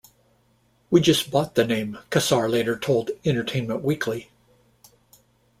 "We just bought the name," Kassar later told "Entertainment Weekly".